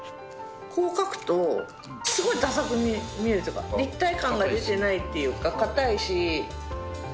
こう描くと、すごいださく見えるっていうか、立体感が出てないっていうか、かたいし。